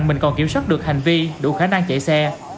mình còn kiểm soát được hành vi đủ khả năng chạy xe